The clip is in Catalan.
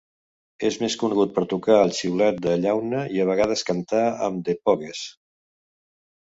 És més conegut per tocar el xiulet de llauna i a vegades cantar amb The Pogues.